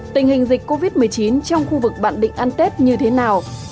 tình hình dịch covid một mươi chín trong khu vực bạn định ăn tết như thế nào